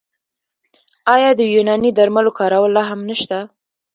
آیا د یوناني درملو کارول لا هم نشته؟